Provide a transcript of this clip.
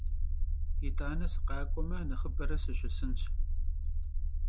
Yit'ane sıkhak'ueme, nexhıbere sışısınş.